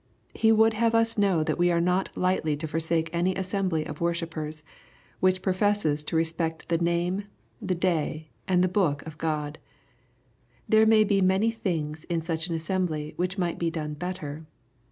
He would have us know that we are not lightly to forsake any assembly of worshippers, which pi^ofesses to respect the name, the day, and the book of God. There may be many things in such an assembly which might be done better.